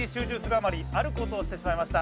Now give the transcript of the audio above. あまりある事をしてしまいました。